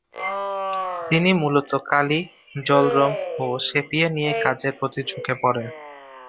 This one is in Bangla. তিনি মূলত কালি, জলরঙ ও সেপিয়া নিয়ে কাজের প্রতি ঝুঁকে পড়েন।